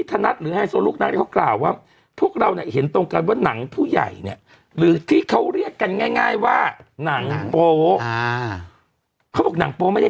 แต่คนเขาบอกไม่ต้อง๔๐ขึ้นไปจะรู้สึกว่าตกใจ